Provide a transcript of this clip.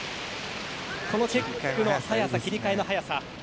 このチェックの早さ切り替えの早さ。